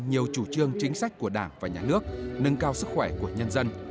nhiều chủ trương chính sách của đảng và nhà nước nâng cao sức khỏe của nhân dân